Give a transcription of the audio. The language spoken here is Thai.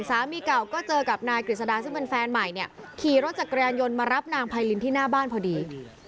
สามีเก่าก็เจอกับนายกฤษดาซึ่งเป็นแฟนใหม่เนี่ยขี่รถจักรยานยนต์มารับนางไพรินที่หน้าบ้านพอดี